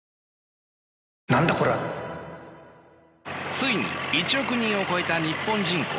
ついに１億人を超えた日本人口。